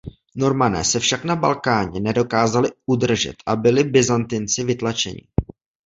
Normané se však na Balkáně nedokázali udržet a byli Byzantinci vytlačeni.